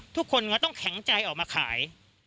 ทุกคนก็ต้องแข็งใจออกมาขาย